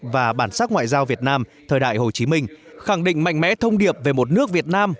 và bản sắc ngoại giao việt nam thời đại hồ chí minh khẳng định mạnh mẽ thông điệp về một nước việt nam